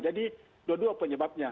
jadi dua duanya penyebabnya